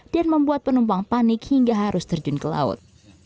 dan membuat penumpang panik hingga harus terjun ke laut